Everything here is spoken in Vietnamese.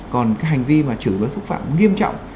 còn cái hành vi mà chửi nó xúc phạm nghiêm trọng